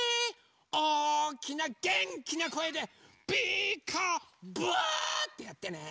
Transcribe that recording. おおきなげんきなこえで「ピーカーブ！」ってやってね。